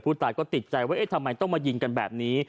ผู้ตายก็ติดใจว่าเอ๊ะทำไมต้องมายิงกันแบบนี้